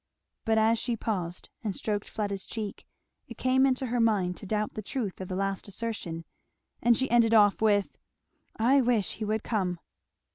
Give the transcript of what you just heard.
But as she paused and stroked Fleda's cheek it came into her mind to doubt the truth of the last assertion, and she ended off with, "I wish he would come!